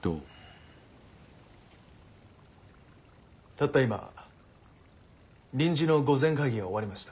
たった今臨時の御前会議が終わりました。